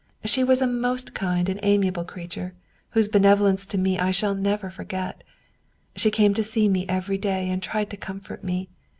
She was a most kind and amiable creature, whose benevolence to me I shall never forget. She came to see me every day and tried to comfort me.